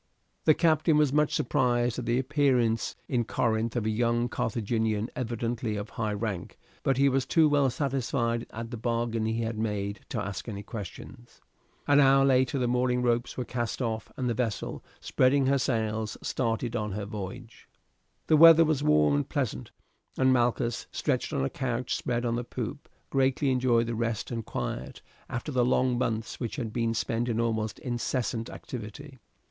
The captain was much surprised at the appearance in Corinth of a young Carthaginian evidently of high rank, but he was too well satisfied at the bargain he had made to ask any questions. An hour later the mooring ropes were cast off, and the vessel, spreading her sails, started on her voyage. The weather was warm and pleasant, and Malchus, stretched on a couch spread on the poop, greatly enjoyed the rest and quiet, after the long months which had been spent in almost incessant activity.